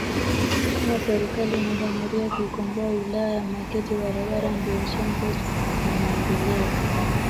Kama serikali imedhamiria kuikomboa wilaya ya Makete barabara ndio chanzo za maendeleo